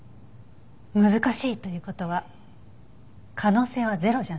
難しいという事は可能性はゼロじゃない。